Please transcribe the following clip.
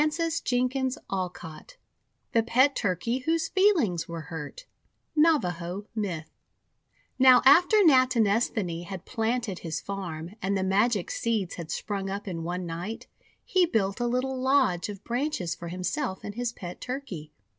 366 THE WONDER GARDEN THE PET TURKEY WHOSE FEELINGS WERE HURT Navaho Myth Now after Natinesthani had planted his farm, and the magic seeds had sprung up in one night, he built a little lodge of branches for himself and his pet Turkey.